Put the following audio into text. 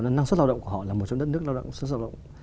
năng suất lao động của họ là một trong đất nước lao động